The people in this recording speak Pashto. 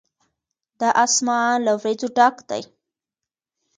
دا آسمان له وريځو ډک دی.